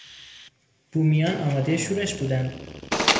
بومیان آمادهی شورش بودند.